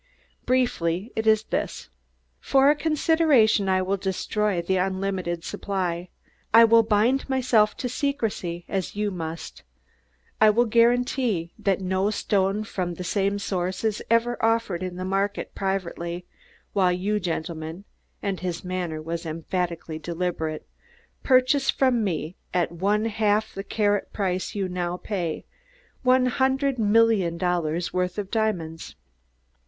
Briefly it is this: For a consideration I will destroy the unlimited supply. I will bind myself to secrecy, as you must; I will guarantee that no stone from the same source is ever offered in the market or privately, while you gentlemen," and his manner was emphatically deliberate, "purchase from me at one half the carat price you now pay _one hundred million dollars' worth of diamonds!